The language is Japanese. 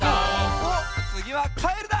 おっつぎはカエルだ！